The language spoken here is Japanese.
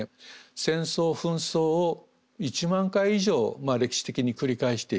戦争紛争を１万回以上歴史的に繰り返している。